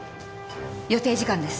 予定時間です。